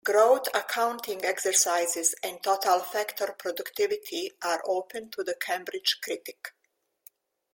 Growth accounting exercises and Total Factor Productivity are open to the Cambridge Critique.